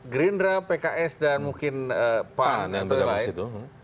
gerindra pks dan mungkin pan atau lain